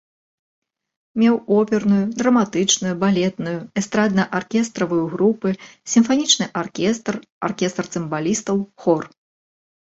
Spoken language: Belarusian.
Меў оперную, драматычную, балетную, эстрадна-аркестравую групы, сімфанічны аркестр, аркестр цымбалістаў, хор.